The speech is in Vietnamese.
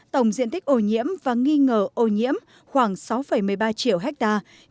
tổng diện tích ô nhiễm và nghi ngờ ô nhiễm khoảng sáu một mươi ba triệu hectare